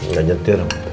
ini juga ga nyetir